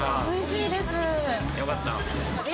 よかった。